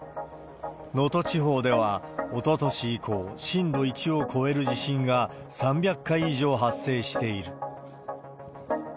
能登地方では、おととし以降、震度１を超える地震が３００回以上発生している。